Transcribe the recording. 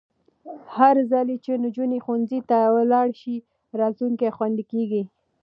هرځل چې نجونې ښوونځي ته ولاړې شي، راتلونکی خوندي کېږي.